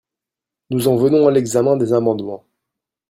Nous en venons à l’examen des amendements.